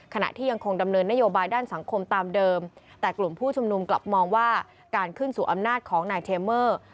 ขณะที่ยังคงดำเนินนโยบายด้านสังคมตามเดิมแต่กลุ่มผู้ชุมนุมกลับมองว่าการขึ้นสู่อำนาจของนายเทเมอร์